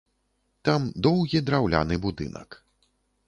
Там доўгі драўляны будынак.